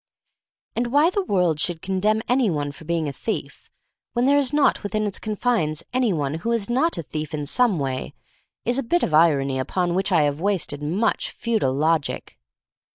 — And why the world should condemn any one for being a thief — when there is not within its confines any one who is not a thief in some way — is a bit of irony upon which I have wasted much futile logic.